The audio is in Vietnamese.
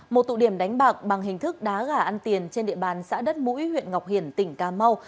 một tụ điểm đánh bạc bằng hình thức đá gà ăn tiền trên địa bàn xã đất mũi huyện ngọc hiển tỉnh cà mau